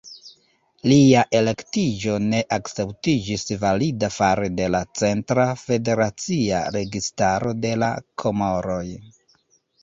Lia elektiĝo ne akceptiĝis valida fare de la centra, federacia registaro de la Komoroj.